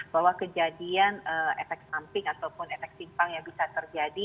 bahwa kejadian efek samping ataupun efek simpang yang bisa terjadi